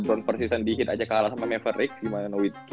lebron persis di hit aja kalah sama maverick gimana witzki